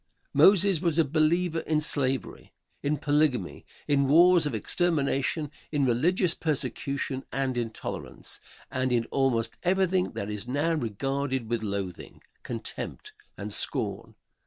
Moses was a believer in slavery, in polygamy, in wars of extermination, in religious persecution and intolerance and in almost everything that is now regarded with loathing, contempt and scorn.